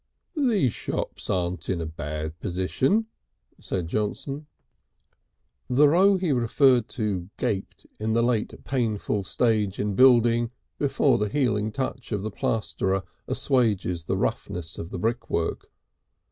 "These shops aren't in a bad position," said Johnson. The row he referred to gaped in the late painful stage in building before the healing touch of the plasterer assuages the roughness of the brickwork.